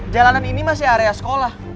jalanan ini masih area sekolah